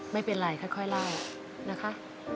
ไม่เป็นไรค่อยเล่านะคะ